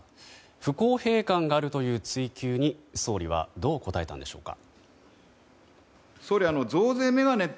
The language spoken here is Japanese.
不公平感があるという追及に総理はどう答えたんでしょうか。